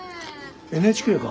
ＮＨＫか。